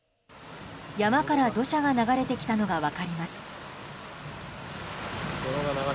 山から土砂が流れてきたのが分かります。